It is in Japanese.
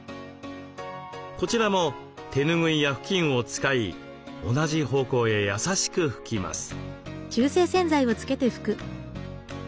こちらも手拭いや布巾を使い同じ方向へ優しく拭きます。